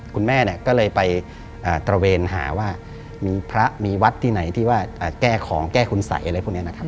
คุณแม่เนี่ยก็เลยไปตระเวนหาว่ามีพระมีวัดที่ไหนที่ว่าแก้ของแก้คุณสัยอะไรพวกนี้นะครับ